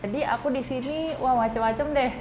jadi aku di sini wah macem macem deh